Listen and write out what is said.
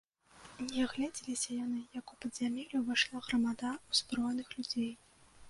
Не агледзеліся яны, як у падзямелле ўвайшла грамада ўзброеных людзей.